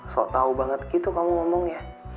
so tau banget gitu kamu ngomongnya